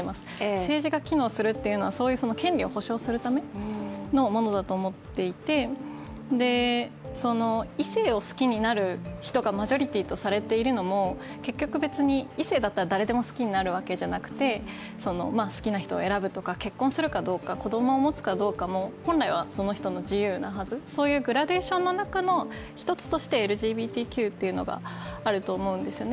政治が機能するというのは、そういう権利を保障するためのものだと思っていて異性を好きになる人がマジョリティとされているのも結局別に異性だったら誰でも好きになるわけではなくて、好きな人を選ぶとか、結婚するかどうか子供を持つかどうかも本来はその人の自由なはず、そういうグラデーションの中の１つとしてＬＧＢＴＱというのがあると思うんですね。